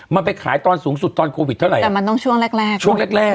มันไปขายตอนสูงสุดตอนโควิดเท่าไหร่แต่มันต้องช่วงแรกแรกช่วงแรกแรก